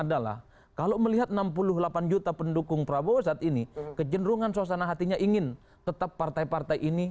adalah kalau melihat enam puluh delapan juta pendukung prabowo saat ini kecenderungan suasana hatinya ingin tetap partai partai ini